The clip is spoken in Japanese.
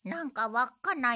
わっかんない。